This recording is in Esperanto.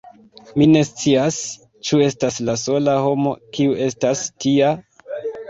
Mi ne scias… Ĉu estas la sola homo, kiu estas tia?